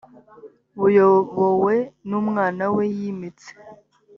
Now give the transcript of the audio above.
buyobowe n umwana we yimitse